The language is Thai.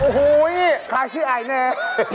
โอ้โฮใครชื่อไอหน่า